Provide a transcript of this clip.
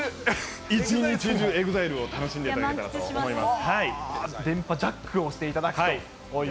一日中ＥＸＩＬＥを楽しんでいただけたらと思います。